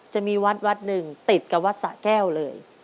จะมีวัดวัดหนึ่งติดกับวัดสะแก้วเลย